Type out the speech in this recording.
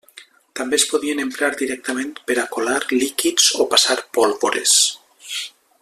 També es podien emprar directament per a colar líquids o passar pólvores.